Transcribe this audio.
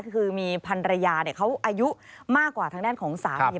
คือมีพันรยาเขาอายุมากกว่าทางด้านของสามี